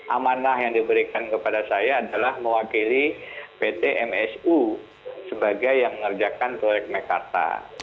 amanah yang diberikan kepada saya adalah mewakili pt msu sebagai yang mengerjakan proyek mekarta